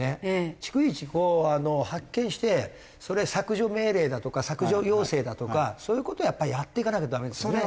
逐一こう発見してそれ削除命令だとか削除要請だとかそういう事をやっぱりやっていかなきゃダメですよね。